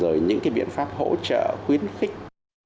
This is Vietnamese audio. rồi những cái biện pháp hỗ trợ khuyến khích